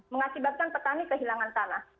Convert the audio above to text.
mengakibatkan petani kehilangan tanah